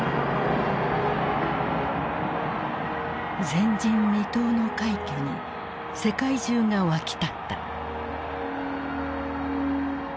前人未到の快挙に世界中が沸き立った。